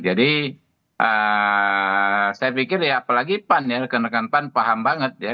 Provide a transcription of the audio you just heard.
jadi saya pikir ya apalagi pan ya rekan rekan pan paham banget ya